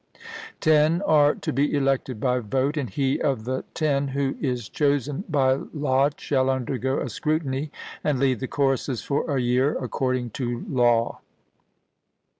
Ten are to be elected by vote, and he of the ten who is chosen by lot shall undergo a scrutiny, and lead the choruses for a year according to law.